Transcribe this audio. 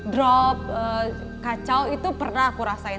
drop kacau itu pernah aku rasain